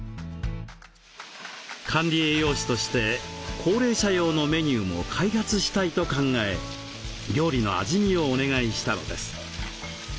管理栄養士として高齢者用のメニューも開発したいと考え料理の味見をお願いしたのです。